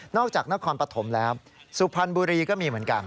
จากนครปฐมแล้วสุพรรณบุรีก็มีเหมือนกัน